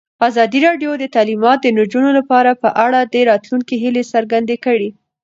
ازادي راډیو د تعلیمات د نجونو لپاره په اړه د راتلونکي هیلې څرګندې کړې.